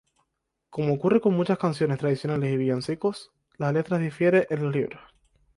Como ocurre con muchas canciones tradicionales y villancicos, la letra difiere en los libros.